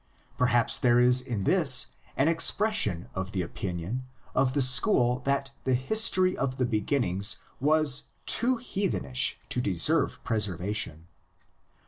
Perhaps there is in this an expression of the opinion of the school that the history of the beginnings was too heathenish to deserve preservation.